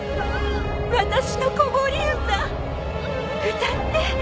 私の子守歌歌って。